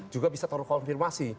juga bisa terkonfirmasi